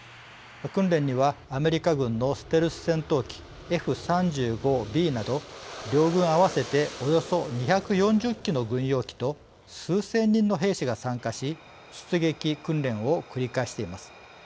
訓練にはアメリカ軍のステルス戦闘機Ｆ３５Ｂなど両軍合わせておよそ２４０機の軍用機と数千人の兵士が参加し出撃訓練を繰り返しています。